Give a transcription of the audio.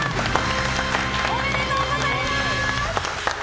おめでとうございます！